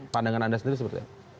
pandangan anda sendiri seperti apa